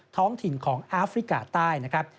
ท้องถิ่นของอาฟริกาใต้นะครับ